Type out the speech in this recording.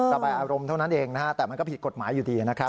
ระบายอารมณ์เท่านั้นเองนะฮะแต่มันก็ผิดกฎหมายอยู่ดีนะครับ